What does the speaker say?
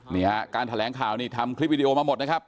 นี่ฮะการแถลงข่าวนี่ทำคลิปวิดีโอมาหมดนะครับ